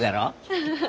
フフフ。